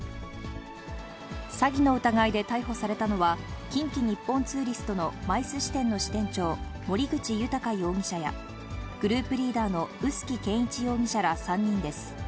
詐欺の疑いで逮捕されたのは、近畿日本ツーリストのＭＩＣＥ支店の支店長、森口裕容疑者や、グループリーダーの臼杵賢一容疑者ら３人です。